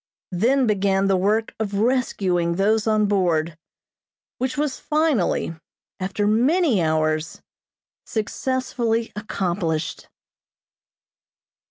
Then began the work of rescuing those on board, which was finally, after many hours, successfully accomplished.